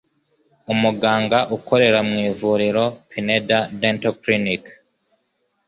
umuganga ukorera mu Ivuriro Pineda Dental Clinic,